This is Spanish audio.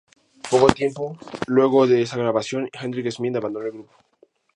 Poco tiempo luego de esa grabación Hendrik Smith abandonó el grupo.